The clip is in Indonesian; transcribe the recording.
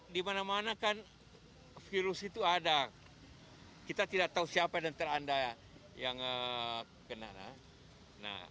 di mana mana kan virus itu ada kita tidak tahu siapa antara anda yang kena